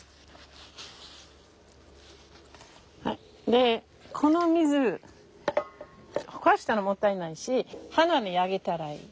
でこの水ほかしたらもったいないし花にあげたらいい。